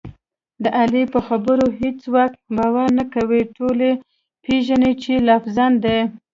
د علي په خبرو هېڅوک باور نه کوي، ټول یې پېژني چې لافزن دی.